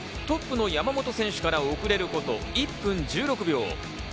トップの山本選手から遅れること１分１６秒。